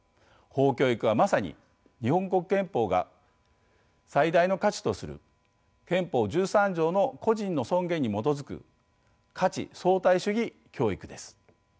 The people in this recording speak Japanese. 法教育はまさに日本国憲法が最大の価値とする憲法１３条の個人の尊厳に基づく「価値相対主義」教育です。